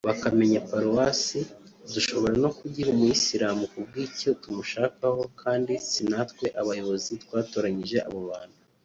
bakamenya paruwasi…dushobora no kugiha umuyisilamu kubw’icyo tumushakaho kandi si natwe abayobozi twatoranyije abo bantu